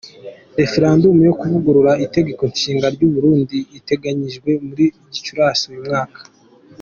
Referendum yo kuvugurura Itegeko Nshinga ry’u Burundi iteganyijwe muri Gicurasi uyu mwaka.